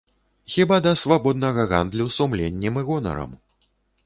Хіба да свабоднага гандлю сумленнем і гонарам.